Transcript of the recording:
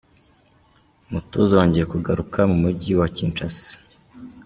Umutuzo wongeye kugaruka mu Mujyi wa Kinshasa.